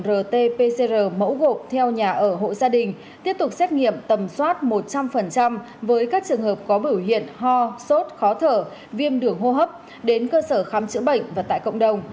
rt pcr mẫu gộp theo nhà ở hộ gia đình tiếp tục xét nghiệm tầm soát một trăm linh với các trường hợp có biểu hiện ho sốt khó thở viêm đường hô hấp đến cơ sở khám chữa bệnh và tại cộng đồng